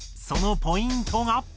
そのポイントが。